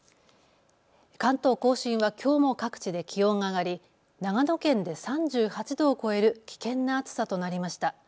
関東甲信はきょうも各地で気温が上がり長野県で３８度を超える危険な暑さとなりました。